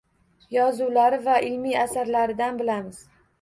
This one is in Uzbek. Yozuvlari va ilmiy asarlaridan bilamiz.